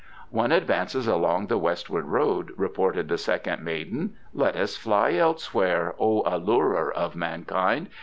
"One advances along the westward road," reported the second maiden. "Let us fly elsewhere, O allurer of mankind!